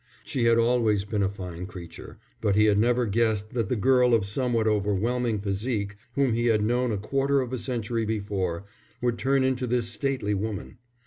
She had always been a fine creature, but he had never guessed that the girl of somewhat overwhelming physique whom he had known a quarter of a century before, would turn into this stately woman.